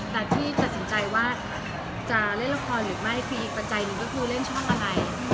แต่ที่ตัดสินใจว่าจะเล่นละครหรือไม่คืออีกปัจจัยหนึ่งก็คือเล่นช่องอะไร